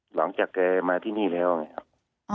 หลังจากแกมาที่นี่แล้วไงครับ